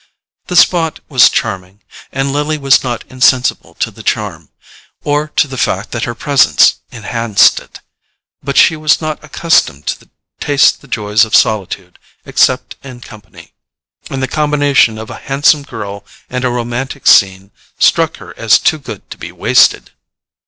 The spot was charming, and Lily was not insensible to the charm, or to the fact that her presence enhanced it; but she was not accustomed to taste the joys of solitude except in company, and the combination of a handsome girl and a romantic scene struck her as too good to be wasted.